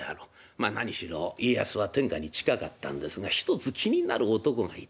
まあ何しろ家康は天下に近かったんですが一つ気になる男がいた。